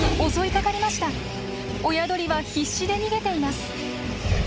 親鳥は必死で逃げています。